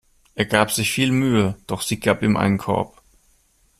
Er gab sich viel Mühe, doch sie gab ihm einen Korb.